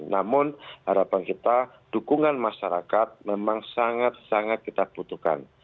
namun harapan kita dukungan masyarakat memang sangat sangat kita butuhkan